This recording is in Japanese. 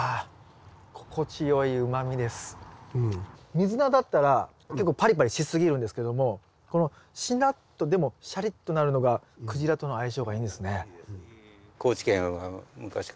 ミズナだったら結構パリパリしすぎるんですけどもこのしなっとでもシャリっとなるのがクジラとの相性がいいんですね。